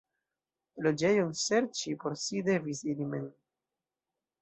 Loĝejon serĉi por si devis ili mem.